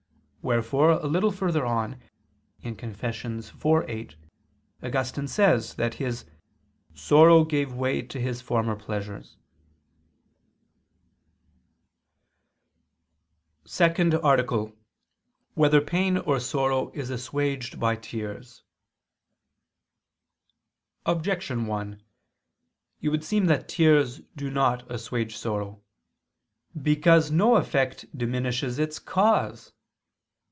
Wherefore a little further on (Confess. iv, 8) Augustine says that his "sorrow gave way to his former pleasures." ________________________ SECOND ARTICLE [I II, Q. 38, Art. 2] Whether Pain or Sorrow Is Assuaged by Tears? Objection 1: It would seem that tears do not assuage sorrow. Because no effect diminishes its cause.